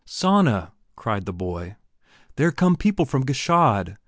"Sanna," cried the boy, "there come people from Gschaid.